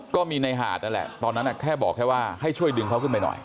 ก็มีในหาดนั่นแหละตอนนั้นแค่บอกแค่ว่าให้ช่วยดึงเขาขึ้นไปหน่อย